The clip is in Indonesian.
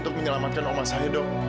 untuk menyelamatkan oma saya dong